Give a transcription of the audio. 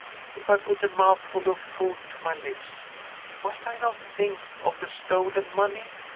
"If I put a mouthful of food to my lips, must I not think of the stolen money?